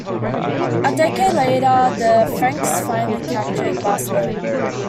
A decade later the Franks finally captured Barcelona.